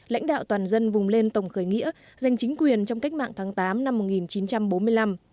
lãnh đạo toàn dân vùng lên tổng khởi nghĩa giành chính quyền trong cách mạng tháng tám năm một nghìn chín trăm bốn mươi năm